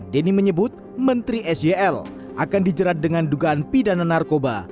denny menyebut menteri sel akan dijerat dengan dugaan pidana narkoba